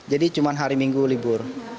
jadi cuma hari minggu libur